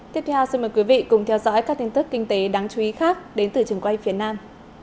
tiếp theo xin mời quý vị cùng theo dõi các tin tức kinh tế đáng chú ý khác đến từ trường quay phía nam